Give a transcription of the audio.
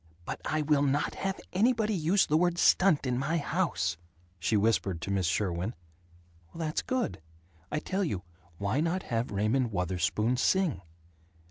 "But I will not have anybody use the word 'stunt' in my house," she whispered to Miss Sherwin. "That's good. I tell you: why not have Raymond Wutherspoon sing?"